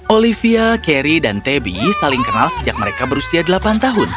olivia carry dan tebi saling kenal sejak mereka berusia delapan tahun